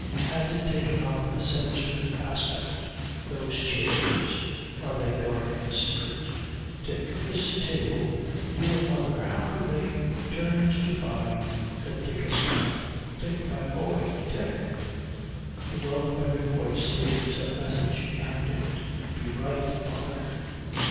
Has it taken on a sinister aspect? Those chairs, are they guarding a secret? 'Dick, this table your mother how could they ' He turns, to find that Dick has gone. 'Dick! My boy! Dick!' The well remembered voice leaves a message behind it. 'Be bright, father.'